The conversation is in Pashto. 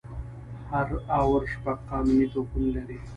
هر آور شپږ قانوني توپونه لري.